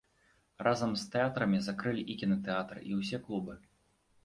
Разам з тэатрамі закрылі і кінатэатры і ўсе клубы.